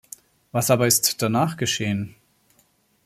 Was aber ist danach geschehen?